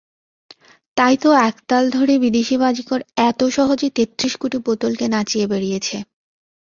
তাই তো এতকাল ধরে বিদেশী বাজিকর এত সহজে তেত্রিশ কোটি পুতুলকে নাচিয়ে বেড়িয়েছে।